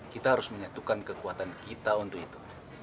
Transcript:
kita harus menyatukan kekuatan kita untuk itu